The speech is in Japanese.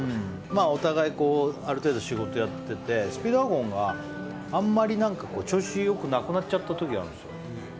お互いある程度、仕事をやっててスピードワゴンがあんまり調子良くなくなっちゃったときがあるんですよ。